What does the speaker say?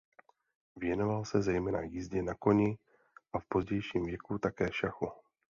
Věnoval se zejména jízdě na koni a v pozdějším věku také šachu.